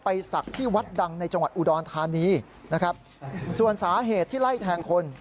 ศักดิ์ที่วัดดังในจังหวัดอุดรธานีนะครับส่วนสาเหตุที่ไล่แทงคน